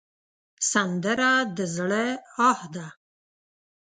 سندره د زړه آه ده